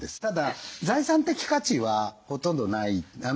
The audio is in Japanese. ただ財産的価値はほとんどない。